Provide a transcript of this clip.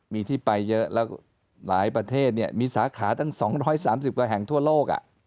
มีที่ไปเยอะแล้วหลายประเทศมีสาขาตั้ง๒๓๐กว่าแห่งทั่วโลก